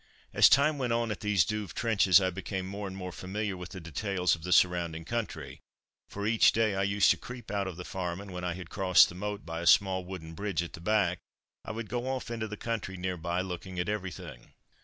As time went on at these Douve trenches, I became more and more familiar with the details of the surrounding country, for each day I used to creep out of the farm, and when I had crossed the moat by a small wooden bridge at the back, I would go off into the country near by looking at everything.